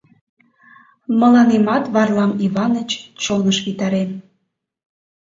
Мыланемат Варлам Иваныч чоныш витарен...